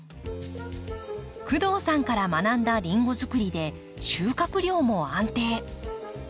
工藤さんから学んだリンゴづくりで収穫量も安定。